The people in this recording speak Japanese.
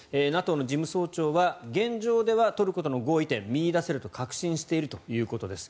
ＮＡＴＯの事務総長は現状ではトルコとの合意点を見いだせると確信しているということです。